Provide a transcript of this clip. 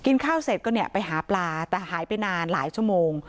ข้าวเสร็จก็เนี่ยไปหาปลาแต่หายไปนานหลายชั่วโมง